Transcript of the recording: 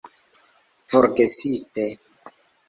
Forgesite...